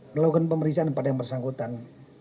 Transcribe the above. melakukan pemeriksaan pada yang bersangkutan